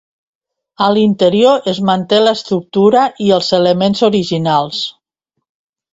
A l'interior es manté l'estructura i els elements originals.